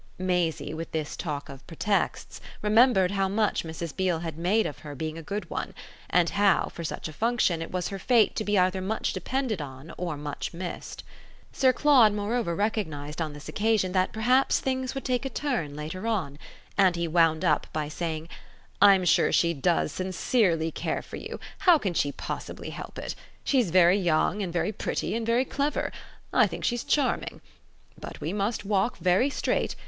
Maisie, with this talk of pretexts, remembered how much Mrs. Beale had made of her being a good one, and how, for such a function, it was her fate to be either much depended on or much missed. Sir Claude moreover recognised on this occasion that perhaps things would take a turn later on; and he wound up by saying: "I'm sure she does sincerely care for you how can she possibly help it? She's very young and very pretty and very clever: I think she's charming. But we must walk very straight.